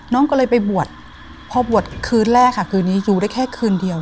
น้องก็เลยไปบวชพอบวชคืนแรกค่ะคืนนี้อยู่ได้แค่คืนเดียว